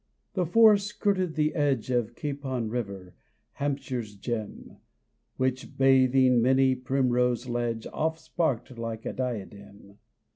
The forest skirted to the edge Of Capon river, Hampshire's gem, Which, bathing many a primrose ledge, Oft sparkled like a diadem.